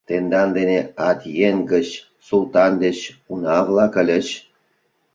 — Тендан дене Атьен гыч, султан деч уна-влак ыльыч.